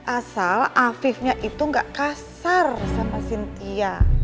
asal afifnya itu gak kasar sama sintia